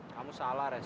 kamu salah res